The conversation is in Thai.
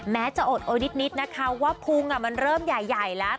แม้จะอดโอยนิดนะคะว่าพุงมันเริ่มใหญ่แล้ว